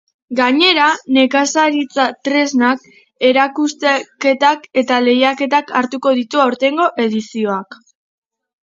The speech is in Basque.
Gainera, nekazaritza tresnak, erakusketak eta lehiaketak hartuko ditu aurtengo edizioak.